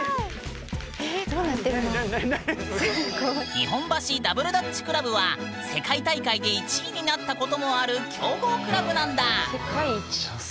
日本橋ダブルダッチクラブは世界大会で１位になったこともある強豪クラブなんだ。